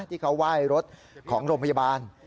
ที่เขาไหว้รถของโรงพยาบาล